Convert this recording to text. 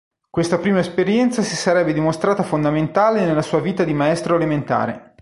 Questa prima esperienza si sarebbe dimostrata fondamentale nella sua vita di maestro elementare.